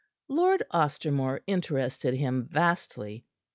Lord Ostermore interested him vastly.